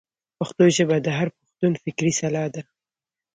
پښتو ژبه د هر پښتون فکري سلاح ده.